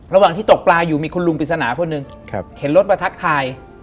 ระหว่างที่ตกปลาอยู่มีคุณลุงปริศนาคนหนึ่งเข็นรถมาทักทาย